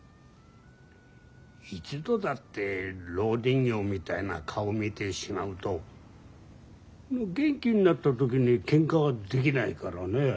一度だってろう人形みたいな顔を見てしまうと元気になった時にけんかができないからね。